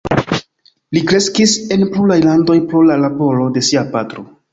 Li kreskis en pluraj landoj, pro la laboro de sia patro.